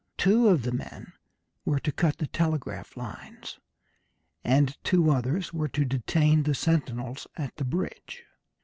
Two of the men were to cut the telegraph lines, and two others were to detain the sentinels at the bridge.